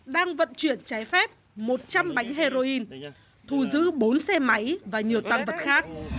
đang vận chuyển trái phép một trăm linh bánh heroin thu giữ bốn xe máy và nhiều tăng vật khác